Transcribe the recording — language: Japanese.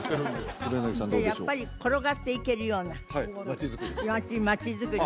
やっぱり転がっていけるようなはい街づくり？